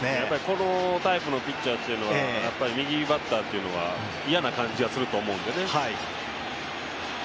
このタイプのピッチャーは右バッターは嫌な感じはすると思うんでね。